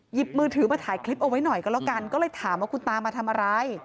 หยิบมือถือมาถ่ายคลิปเอาไว้หน่อยก็แล้วกันก็เลยถามว่าคุณตามาทำอะไร